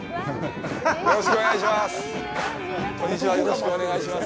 よろしくお願いします。